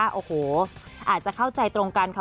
โอ้โหอาจจะเข้าใจตรงกันค่ะ